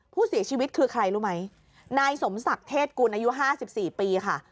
ผู้เสียชีวิตคือใครรู้ไหมนายสมศักดิ์เทศกุลอายุ๕๔ปีค่ะ